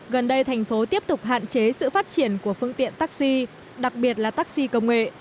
gần đây thành phố tiếp tục hạn chế sự phát triển của phương tiện taxi đặc biệt là taxi công nghệ